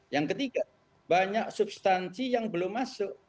yang ketiga banyak substansi yang belum masuk